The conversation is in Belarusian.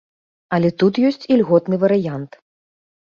Але тут ёсць ільготны варыянт.